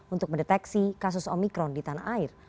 untuk mendeteksi kasus omikron di tanah air